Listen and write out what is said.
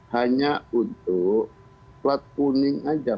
hanya untuk plat kuning saja